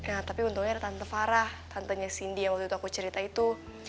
nah tapi untungnya ada tante farah tantenya cindy yang waktu itu aku cerita itu